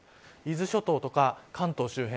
伊豆諸島とか関東周辺